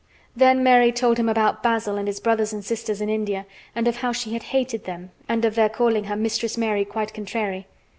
Then Mary told him about Basil and his brothers and sisters in India and of how she had hated them and of their calling her "Mistress Mary Quite Contrary."